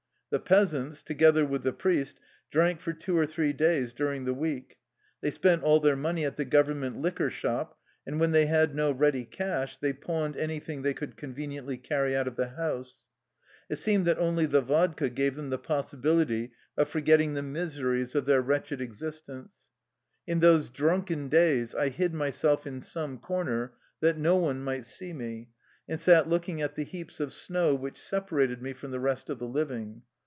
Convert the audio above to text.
The peas ants, together with the priest, drank for two or three days during the week. They spent all their money at the Government liquor shop, and when they had no ready cash they pawned any thing they could conveniently carry out of the house. It seemed that only the vodka gave them the possibility of forgetting the miseries of their 103 THE LIFE STOKY OF A RUSSIAN EXILE wretched existence. In those " drunken " days I hid myself in some corner that no one might see me, and sat looking at the heaps of snow which separated me from the rest of the living.